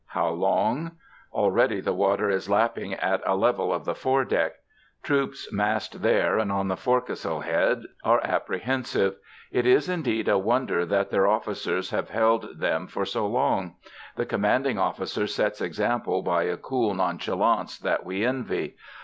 How long? Already the water is lapping at a level of the foredeck. Troops massed there and on the forecastle head are apprehensive: it is indeed a wonder that their officers have held them for so long. The commanding officer sets example by a cool nonchalance that we envy.